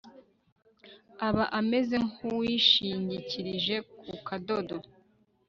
aba ameze nk'uwishingikirije ku kadodo